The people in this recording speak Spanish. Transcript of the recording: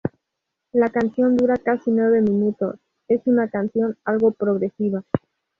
La canción dura casi nueve minutos, es una canción algo progresiva.